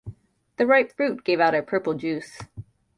The ripe fruit give out a purple juice.